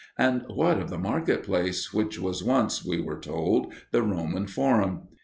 and what of the market place which was once, we were told, the Roman forum?